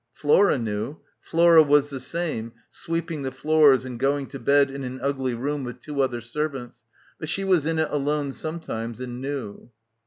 Flora knew. Flora was the same, sweeping the floors and going «to bed in an ugly room with two other servants ; but she was in it alone some times and knew.